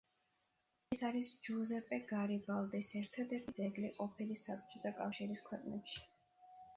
ეს არის ჯუზეპე გარიბალდის ერთადერთი ძეგლი ყოფილი საბჭოთა კავშირის ქვეყნებში.